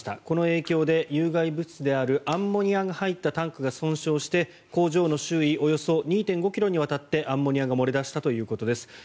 この影響で有害物質であるアンモニアが入ったタンクが損傷して、工場の周囲およそ２．５ｋｍにわたってアンモニアが漏れ出したということです。